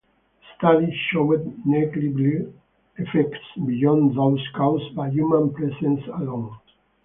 The study showed negligible effects beyond those caused by human presence alone.